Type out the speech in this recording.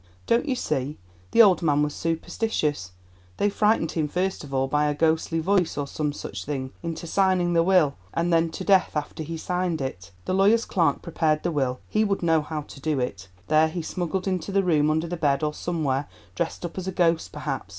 Don't you see, the old man was superstitious; they frightened him first of all by a ghostly voice or some such thing into signing the will, and then to death after he had signed it. The lawyer's clerk prepared the will—he would know how to do it. Then he was smuggled into the room under the bed, or somewhere, dressed up as a ghost perhaps.